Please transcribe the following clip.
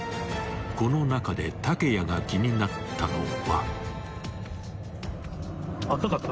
［この中で竹谷が気になったのは］